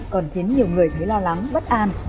còn khiến nhiều người thấy lo lắng bất an